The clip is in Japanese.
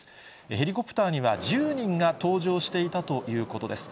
ヘリコプターには１０人が搭乗していたということです。